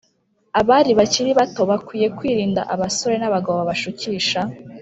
abari bakiri bato bakwiye kwirinda abasore n’abagabo babashukisha